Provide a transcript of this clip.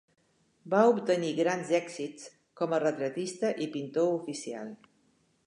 Va obtenir grans èxits com a retratista i pintor oficial.